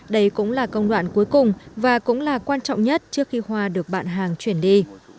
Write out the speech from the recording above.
đây cũng là công đoạn cuối cùng và cũng là quan trọng nhất trước khi hoa được bạn hàng chuyển đi